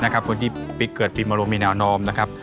คนที่เกิดปีมรงมีแนวโน้มนะครับ